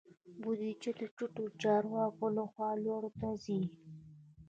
بودیجه د ټیټو چارواکو لخوا لوړو ته ځي.